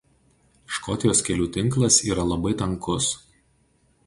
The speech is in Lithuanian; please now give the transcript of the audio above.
Škotijos kelių tinklas yra labai tankus.